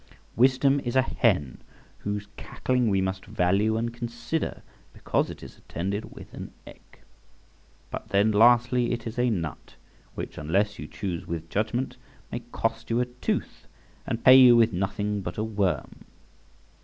Wisdom is a hen whose cackling we must value and consider, because it is attended with an egg. But then, lastly, it is a nut, which, unless you choose with judgment, may cost you a tooth, and pay you with nothing but a worm.